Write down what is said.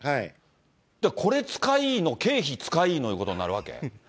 これ使いいの、経費使いいのということになるわけ？